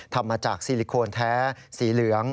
ทำมาจากซิลิโคนแท้สีเหลือง